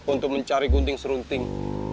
untuk mencari gunting serunting